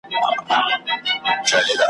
څوک به دي ستايي په چا به ویاړې؟ ,